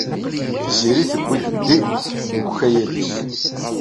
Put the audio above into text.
Tiziri tewwi-d D deg ukayad-is.